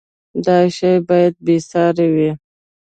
دا شی باید بې ساری وي.